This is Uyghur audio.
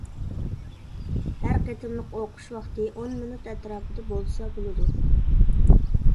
ھەر قېتىملىق ئوقۇش ۋاقتى ئون مىنۇت ئەتراپىدا بولسا بولىدۇ.